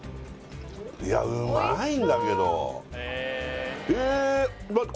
いやうまいんだけどえーっ